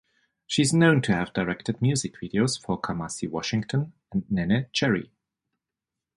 She is known to have directed music videos for Kamasi Washington and Neneh Cherry.